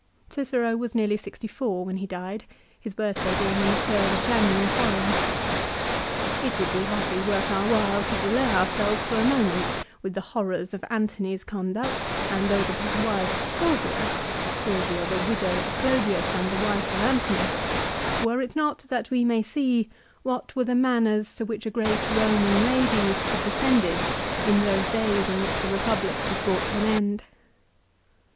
Cicero was nearly sixty four when he died, his birthday being. on the 3rd of January following. It would be hardly worth our while to delay ourselves for a moment with the horrors of Antony's conduct, and those of his wife Fulvia, Fulvia the widow of Clodius and the wife of Antony, were it not that we may see what were the manners to which a great Roman lady had descended in those days in which the Republic was brought to an end.